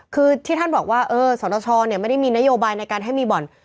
คือที่ท่านบอกว่าสนชไม่ได้มีนโยบายในการให้มีบ่อน